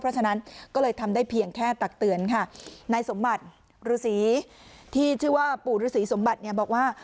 เพราะฉะนั้นก็เลยทำได้เพียงแค่ตักเตือนค่ะนายสมบัติฤษีที่ชื่อว่าปู่ฤษีสมบัติเนี่ยบอกว่า